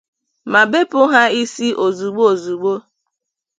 ma bepu ha isi ozigbo ozigbo.